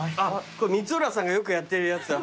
これ光浦さんがよくやってるやつだ。